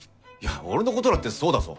俺の事だってそうだぞ！